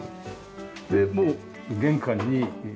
でもう玄関に。